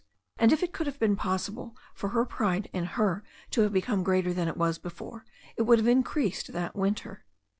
And, if it could have been possible for her pride in her to have become greater than it was before, it would have increased that winter.